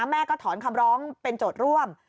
แม่ก็ถอนคำร้องเป็นโจทย์ร่วม